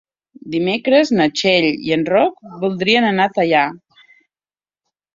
Dimecres na Txell i en Roc voldrien anar a Teià.